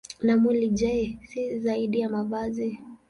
Na mwili, je, si zaidi ya mavazi?